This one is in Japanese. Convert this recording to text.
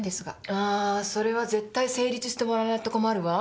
ああそれは絶対成立してもらわないと困るわ。